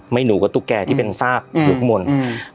ไม่หนูกระตูแกที่เป็นซากหลวงข้อมนต์